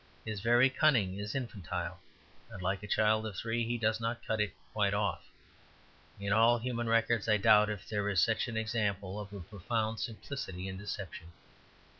His very cunning is infantile. And like a child of three, he does not cut it quite off. In all human records I doubt if there is such an example of a profound simplicity in deception.